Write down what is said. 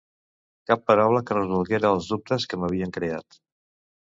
Cap paraula que resolguera els dubtes que m’havien creat.